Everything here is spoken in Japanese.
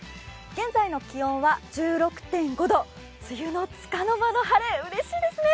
現在の気温は１６．５度、梅雨のつかの間の晴れ、うれしいですね。